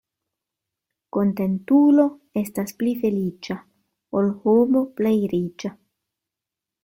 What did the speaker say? Kontentulo estas pli feliĉa, ol homo plej riĉa.